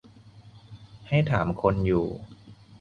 ให้ถามคนอยู่